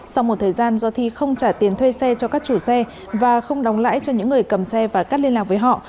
sau một thời gian do thi không trả tiền thuê xe cho các chủ xe và không đóng lãi cho những người cầm xe và cắt liên lạc với họ